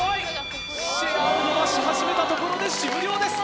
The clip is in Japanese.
シェアを伸ばし始めたところで終了です。